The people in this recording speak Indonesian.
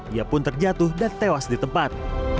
ia pun terjatuh dan tewas di tempat